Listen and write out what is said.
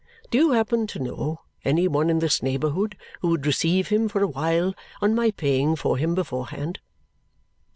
Do you happen to know any one in this neighbourhood who would receive him for a while on my paying for him beforehand?"